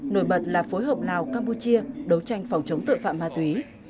nổi bật là phối hợp lào campuchia đấu tranh phòng chống tội phạm ma túy